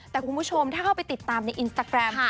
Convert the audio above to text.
แต่คุณผู้ชมถ้าเข้าไปติดตามในอินสตาแกรม